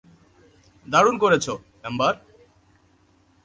দারুন করেছো, এম্বার।